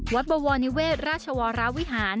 บวรนิเวศราชวรวิหาร